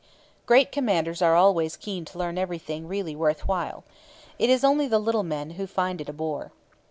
Great commanders are always keen to learn everything really worth while. It is only the little men who find it a bore.